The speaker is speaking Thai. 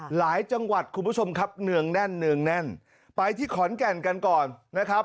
หลายจังหวัดคุณผู้ชมครับเนืองแน่นเนืองแน่นไปที่ขอนแก่นกันก่อนนะครับ